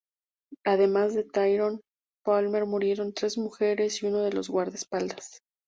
Además de Tyrone Palmer murieron tres mujeres y uno de los guardaespaldas.